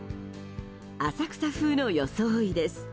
浅草風の装いです。